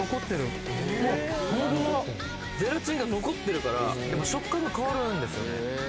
ホントだゼラチンが残ってるからでも食感が変わるんですよね